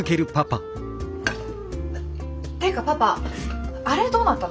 ていうかパパあれどうなったの？